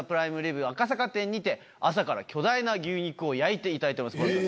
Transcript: にて朝から巨大な牛肉を焼いていただいております。